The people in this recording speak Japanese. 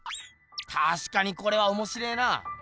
たしかにこれはおもしれえな。